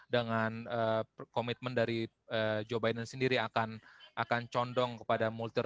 dengan komitmen dari joe biden sendiri akan mengembangkan kebijakan pemerintahan ini